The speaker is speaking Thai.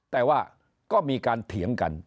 แต่ว่าก็มีการเถียงกัน